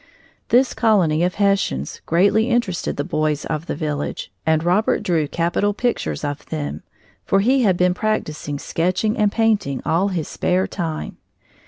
This colony of Hessians greatly interested the boys of the village, and Robert drew capital pictures of them, for he had been practising sketching and painting all his spare time.